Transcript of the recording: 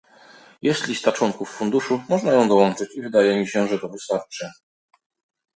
Jest lista członków funduszu, można ją dołączyć i wydaje mi się, że to wystarczy